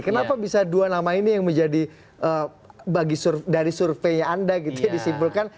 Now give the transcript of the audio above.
kenapa bisa dua nama ini yang menjadi dari surveinya anda gitu ya disimpulkan